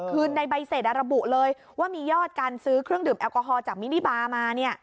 คือในใบเสร็จระบุเลยว่ามียอดการซื้อเครื่องดื่มแอลกอฮอลจากมินิบามา